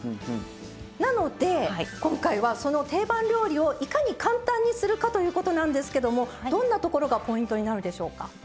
なので今回はその定番料理をいかに簡単にするかということなんですけどもどんなところがポイントになるでしょうか？